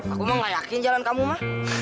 aku mah gak yakin jalan kamu mah